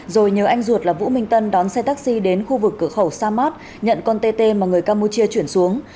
rồi nhờ anh ruột là vũ minh tân đón xe taxi đến khu vực cửa khẩu samad nhận con tê tê mà người campuchia chuyển xuống